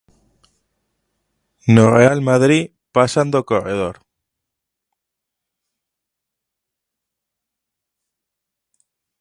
No Real Madrid pasan do corredor.